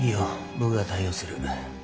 僕が対応する。